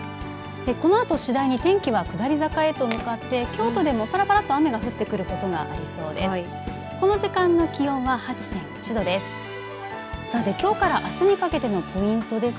このあと次第に天気は下り坂へと向かって京都でもぱらぱらと雨が降ってくることがありそうです。